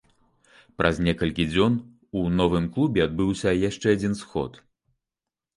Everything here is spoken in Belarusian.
Праз некалькі дзён у новым клубе адбыўся яшчэ адзін сход.